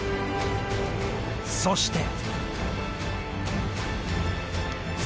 そして。